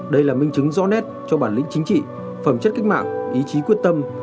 đây là minh chứng rõ nét cho bản lĩnh chính trị phẩm chất cách mạng ý chí quyết tâm